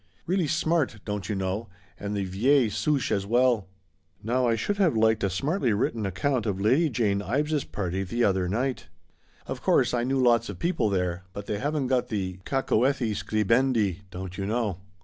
Really smart, don't you know, and the vieiUe souche, as well. Now, I should have liked a smartly written account of Lady Jane Ives' afternoon party the other day. Of course I knew lots of people there, but they haven't got the cacoethes scribendi } don't you know."